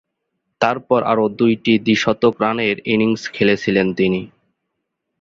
তারপর আরও দুইটি দ্বি-শতক রানের ইনিংস খেলেছিলেন তিনি।